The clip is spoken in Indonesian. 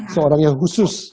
seorang yang khusus